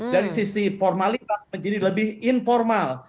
dari sisi formalitas menjadi lebih informal